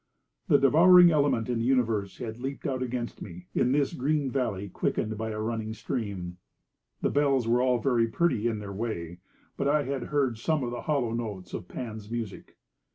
The devouring element in the universe had leaped out against me, in this green valley quickened by a running stream. The bells were all very pretty in their way, but I had heard some of the hollow notes of Pan's music.